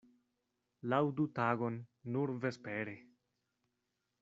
Laŭdu tagon nur vespere.